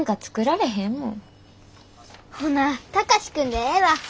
ほな貴司君でええわ。